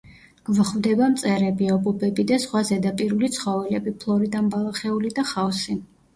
გვხვდება მწერები, ობობები და სხვა ზედაპირული ცხოველები, ფლორიდან ბალახეული და ხავსი.